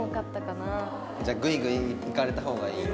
じゃあグイグイいかれた方がいい？